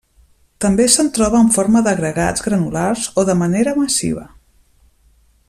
També se'n troba en forma d'agregats granulars o de manera massiva.